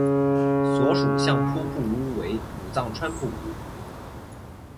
所属相扑部屋为武藏川部屋。